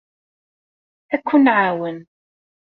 Ad ken-nɛawen.